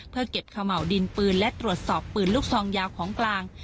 เพื่อเก็บขม่าวดินปืนและตรวจสอบปืนลูกซองยาวของกลาง